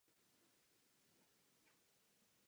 Příďové torpédomety zůstaly zachovány.